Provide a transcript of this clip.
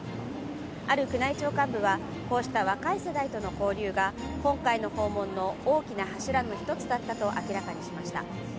ある宮内庁幹部は、こうした若い世代との交流が今回の訪問の大きな柱の一つだったと明らかにしました。